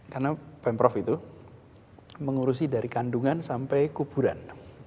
karena pemprov itu mengurusi dari kandungan sampai kuburan